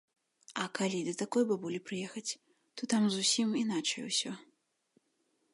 А калі да такой бабулі прыехаць, то там зусім іначай усё.